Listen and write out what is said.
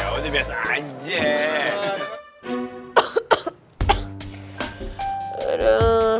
ya udah biasa aja